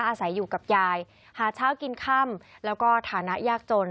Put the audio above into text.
อาศัยอยู่กับยายหาเช้ากินค่ำแล้วก็ฐานะยากจน